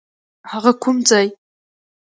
هغه کوم ځای؟